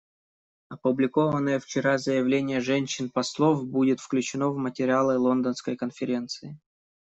Опубликованное вчера заявление женщин-послов будет включено в материалы Лондонской конференции.